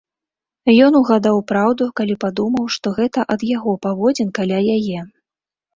Ён угадаў праўду, калі падумаў, што гэта ад яго паводзін каля яе.